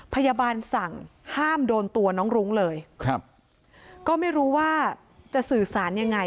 พยาบาลสั่งห้ามโดนตัวน้องรุ้งเลยครับก็ไม่รู้ว่าจะสื่อสารยังไง